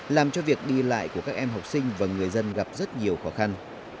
làm cho việc đi lại của các em học sinh và người dân gặp rất nhiều khó khăn